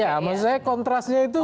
ya maksud saya kontrasnya itu